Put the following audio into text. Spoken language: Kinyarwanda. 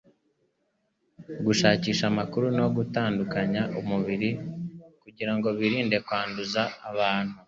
gushakisha amakuru no gutandukanya umubiri kugira ngo birinde kwanduza abantu